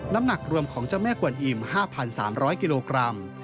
น้ำหนักรวมของเจ้าแม่กวนอิ่ม๕๓๐๐กิโลกรัม